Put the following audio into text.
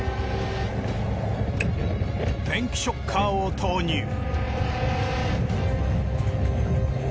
電気ショッカーを投入。